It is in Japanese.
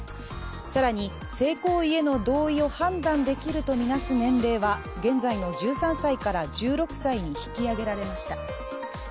更に性行為への同意を判断できると見なす年齢は現在の１３歳から１６歳に引き上げられました。